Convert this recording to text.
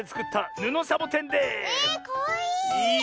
えかわいい！